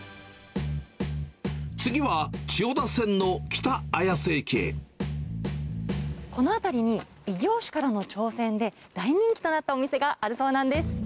次は、この辺りに、異業種からの挑戦で、大人気となったお店があるそうなんです。